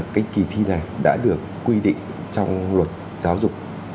cái kỳ thi này đã được quy định trong luật giáo dục